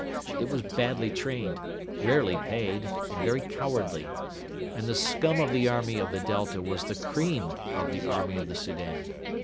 It was badly trained, rarely paid, and very cowardly; and the scum of the army of the Delta was the cream of the army of the Soudan.